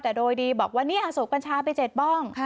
แต่โดยดีบอกว่านี่สูบกัญชาไป๗บ้อง